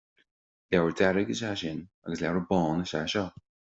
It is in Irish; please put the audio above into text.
Leabhar dearg is ea é sin, agus leabhar bán is ea é seo